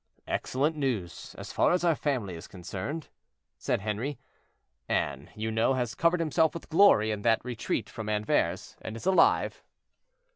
"Excellent news, as far as our family is concerned," said Henri. "Anne, you know, has covered himself with glory in that retreat from Anvers, and is alive."